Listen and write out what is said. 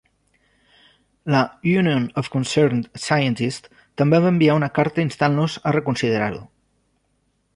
La Union of Concerned Scientists també va enviar una carta instant-los a reconsiderar-ho.